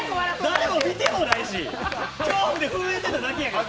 誰も見てもないし、恐怖で震えてただけや。